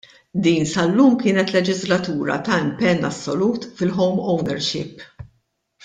Din sal-lum kienet leġislatura ta' impenn assolut fil-home ownership.